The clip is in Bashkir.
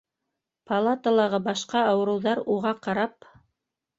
Палаталағы башҡа ауырыуҙар уға ҡарап: